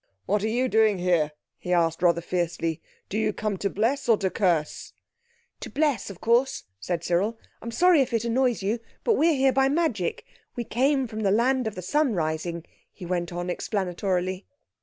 "What are you doing here?" he asked rather fiercely. "Do you come to bless or to curse?" "To bless, of course," said Cyril. "I'm sorry if it annoys you, but we're here by magic. We come from the land of the sun rising," he went on explanatorily.